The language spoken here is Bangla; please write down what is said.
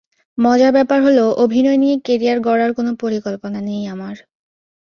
মজার ব্যাপার হলো, অভিনয় নিয়ে ক্যারিয়ার গড়ার কোনো পরিকল্পনা নেই আমার।